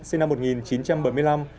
sinh năm một nghìn chín trăm bảy mươi năm